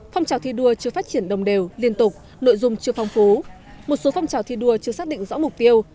phong trào thi đua chưa phát triển đồng đều liên tục nội dung chưa phong phú một số phong trào thi đua chưa xác định rõ mục tiêu